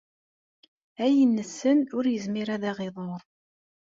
Ayen nessen ur yezmir ad aɣ-iḍurr.